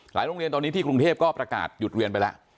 โรงเรียนตอนนี้ที่กรุงเทพก็ประกาศหยุดเรียนไปแล้ว